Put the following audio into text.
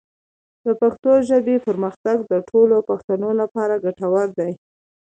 د پښتو ژبې پرمختګ د ټولو پښتنو لپاره ګټور دی.